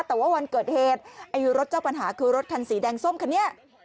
แต่ว่าวันเกิดเหตุไอ้รถเจ้าปัญหาคือรถคันสีแดงส้มคันนี้